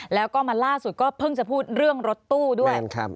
แล้วก็มาล่าสุดก็เพิ่งจะพูดเรื่องรถตู้ด้วย